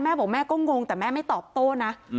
แม่บอกแม่ก็งงแต่แม่ไม่ตอบโต้นะ